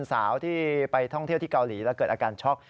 สาวที่ไปท่องเที่ยวที่เกาหลีแล้วเกิดอาการช็อก